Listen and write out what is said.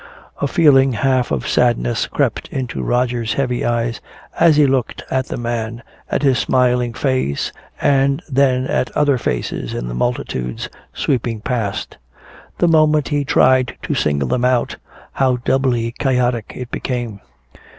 A feeling half of sadness crept into Roger's heavy eyes as he looked at the man, at his smiling face and then at other faces in the multitudes sweeping past. The moment he tried to single them out, how doubly chaotic it became.